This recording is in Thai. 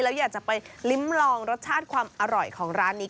แล้วอยากจะไปลิ้มลองรสชาติความอร่อยของร้านนี้